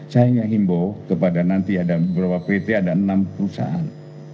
saya hanya himbau kepada nanti ada beberapa pt ada enam perusahaan